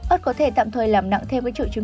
ơt có thể tạm thời làm nặng thêm với triệu chứng